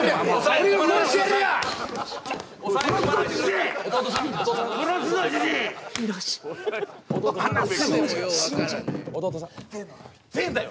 俺が殺してやるよ